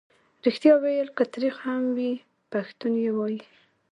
ریښتیا ویل که تریخ هم وي پښتون یې وايي.